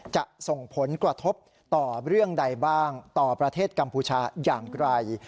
จะส่งผลกระทบต่อเรื่องใดบ้างต่อประเทศกัมพูชาอย่างไร